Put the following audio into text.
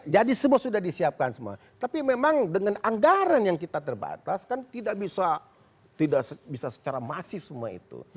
jadi semua sudah disiapkan semua tapi memang dengan anggaran yang kita terbatas kan tidak bisa secara masif semua itu